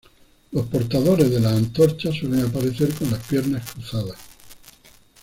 Los portadores de las antorchas suelen aparecer con las piernas cruzadas.